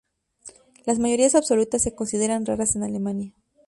Las mayorías absolutas se consideran raras en Alemania.